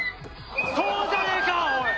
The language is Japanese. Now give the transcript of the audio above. そうじゃねえかおい！